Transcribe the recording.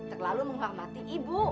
terlalu menghormati ibu